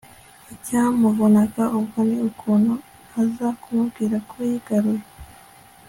icyamuvunaga ubwo ni ukuntu aza kumbwira uko yigaruye